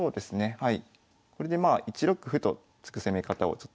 はい。